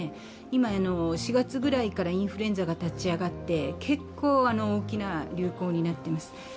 今、４月くらいからインフルエンザが立ち上がって結構、大きな流行になっています。